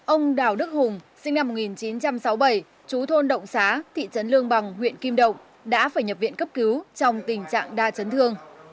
ông đào đức hùng sinh năm một nghìn chín trăm sáu mươi bảy chú thôn động xá thị trấn lương bằng huyện kim động đã phải nhập viện cấp cứu trong tình trạng đa chấn thương